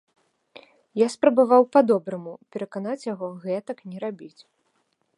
Я спрабаваў па-добраму пераканаць яго гэтак не рабіць.